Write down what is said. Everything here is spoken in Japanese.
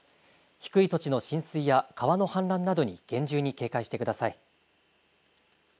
低い土地の浸水や川の氾濫などに厳重に警戒してください。